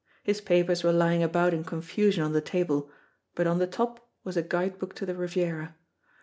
His papers were lying about in confusion on the table, but on the top was a guide book to the Riviera.